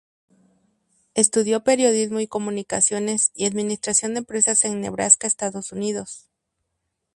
Estudió periodismo y comunicaciones, y administración de empresas en Nebraska, Estados Unidos.